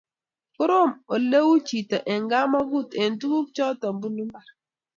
koroom ole u chito eng' kamagut eng' tuguk choto bunu mbar